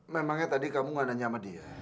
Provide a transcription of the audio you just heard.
memangnya tadi kamu nggak nanya sama dia